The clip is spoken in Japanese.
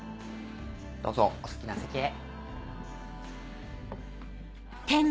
どうぞお好きな席へ。